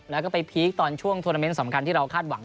แล้วก็ไปพีคตอนช่วงโทรนาเมนต์สำคัญที่เราคาดหวัง